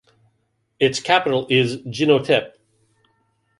Its capital is Jinotepe.